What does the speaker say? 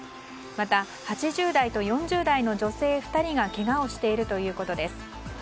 また８０代と４０代の女性２人がけがをしているということです。